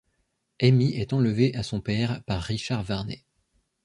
Amy est enlevée à son père par Richard Varney.